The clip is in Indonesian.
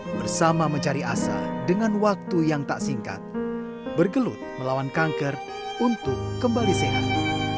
mereka bersama mencari asa dengan waktu yang tak singkat bergelut melawan kanker untuk kembali sehat